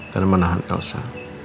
dan menahan elsa